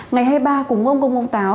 ngày hai mươi ba cúng ông công công táo